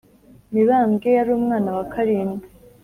mibambwe yarumwana wa karindwi